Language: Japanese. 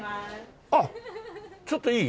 あっちょっといい？